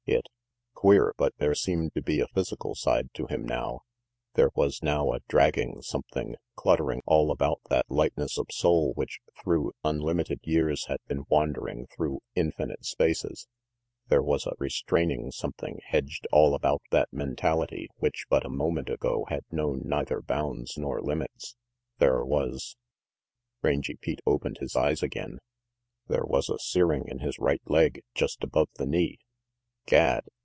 It queer, but there seemed to be a physical side to him now; there was now a dragging something cluttering all 966 RANGY PETE 367 about that lightness of soul which through unlimited years had been wandering through infinite spaces; there was a restraining something hedged all about that mentality which but a moment ago had known neither bounds nor limits; there was Rangy Pete opened his eyes again. There was a searing in his right leg, just above the knee. Gad.